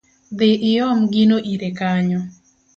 Dhi iom gino ire kanyo